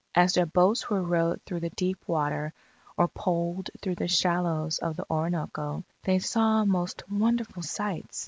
As their boats were rowed through the deep water or poled through the shallows of the Orinoco, they saw most wonderful sights.